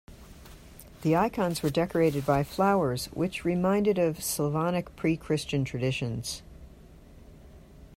The icons were decorated by flowers which reminded of Slavonic pre-Christian traditions.